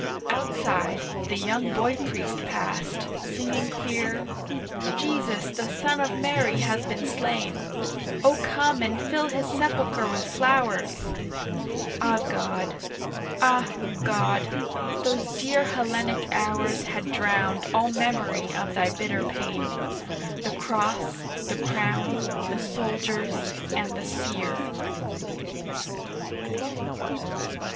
Outside the young boy priest passed singing clear, 'Jesus the son of Mary has been slain, O come and fill His sepulchre with flowers.' Ah, God! Ah, God! those dear Hellenic hours Had drowned all memory of Thy bitter pain, The Cross, the Crown, the Soldiers and the Spear.